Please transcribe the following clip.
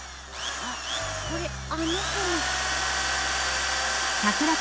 あっこれあの子の！